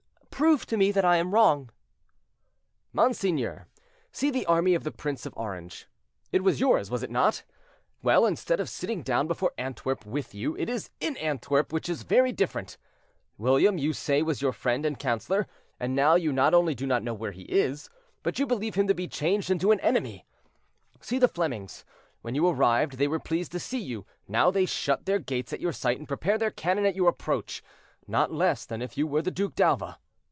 "Prove to me that I am wrong." "Monseigneur, see the army of the Prince of Orange. It was yours, was it not? Well, instead of sitting down before Antwerp with you, it is in Antwerp, which is very different. William, you say, was your friend and counselor; and now you not only do not know where he is, but you believe him to be changed into an enemy. See the Flemings—when you arrived they were pleased to see you; now they shut their gates at your sight, and prepare their cannon at your approach, not less than if you were the Duc d'Alva.